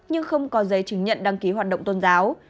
nhưng không có giấy chứng nhận đăng ký hoạt động tôn giáo